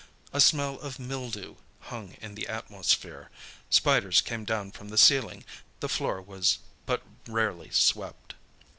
A smell of mildew hung in the atmosphere, spiders came down from the ceiling, the floor was but rarely swept.